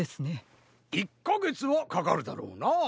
１かげつはかかるだろうなあ。